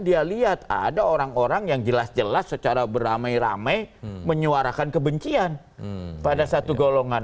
dia lihat ada orang orang yang jelas jelas secara beramai ramai menyuarakan kebencian pada satu golongan